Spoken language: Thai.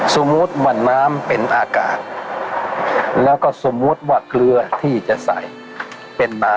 สมมุติว่าน้ำเป็นอากาศแล้วก็สมมุติว่าเกลือที่จะใส่เป็นมา